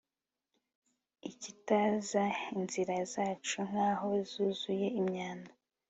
ikitaza inzira zacu nk'aho zuzuye imyanda